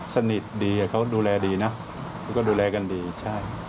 สนิทดีเขาดูแลดีนะเขาก็ดูแลกันดีใช่